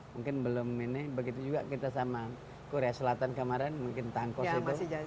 mungkin belum ini begitu juga kita sama korea selatan kemarin mungkin tangkos itu